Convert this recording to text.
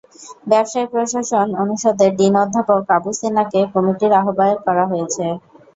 ব্যবসায় প্রশাসন অনুষদের ডিন অধ্যাপক আবু সিনাকে কমিটির আহ্বায়ক করা হয়েছে।